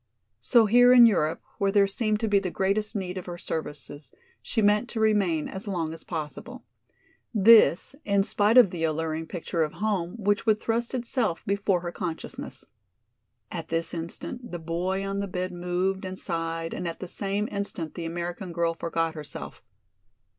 So here in Europe, where there seemed to be the greatest need of her services, she meant to remain as long as possible. This, in spite of the alluring picture of home which would thrust itself before her consciousness. At this instant the boy on the bed moved and sighed and at the same instant the American girl forgot herself.